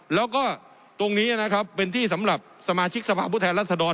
แล้วก็ตรงนี้นะครับเป็นที่สำหรับสมาชิกสภาพผู้แทนรัศดร